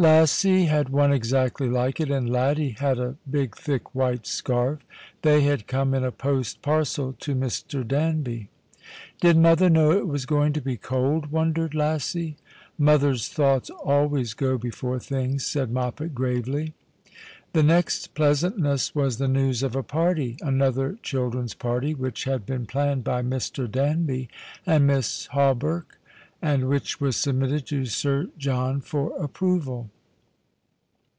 liassie had one exactly like it, and Laddie had a big, thick white scarf. They had come in a post parcel to Mr. Danby. " Did mother know it was going to be cold ?" wondered Lassie. "Mother's thoughts always go before things," said Moppet, gravely. The next pleasantness was the ne^^■s of a party, another children's party, which had been planned by Mr. Danby and Miss Hawberk, and which Avas submitted to Sir .John for approval.